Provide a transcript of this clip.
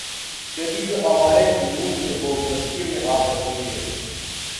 کبھی جو آوارۂ جنوں تھے وہ بستیوں میں آ بسیں گے